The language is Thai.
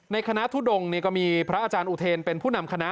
ในคณะทุดงก็มีพระอาจารย์อุเทนเป็นผู้นำคณะ